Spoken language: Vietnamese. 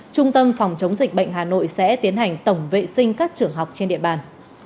trung tâm phòng chống dịch bệnh hà nội sẽ tiến hành tổng vệ sinh các trường học trên địa bàn